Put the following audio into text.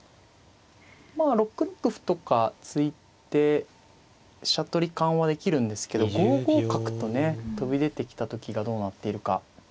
まあ６六歩とか突いて飛車取り緩和できるんですけど５五角とね飛び出てきた時がどうなっているか。